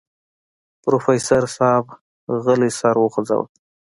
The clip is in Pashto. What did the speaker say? پروفيسر صيب غلی سر وخوځوه.